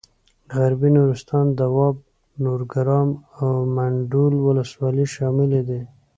غربي نورستان دواب نورګرام او منډول ولسوالۍ شاملې دي.